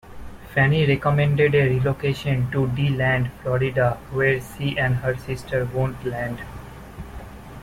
Fannie recommended a relocation to DeLand, Florida, where she and her sister owned land.